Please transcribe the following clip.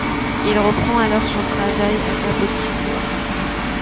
Il reprend alors son travail à Capodistria.